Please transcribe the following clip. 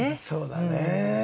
そうだね。